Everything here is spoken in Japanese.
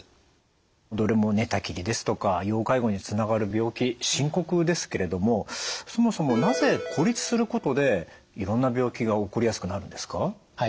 どれも寝たきりですとか要介護につながる病気深刻ですけれどもそもそもなぜ孤立することでいろんな病気が起こりやすくなるんですか？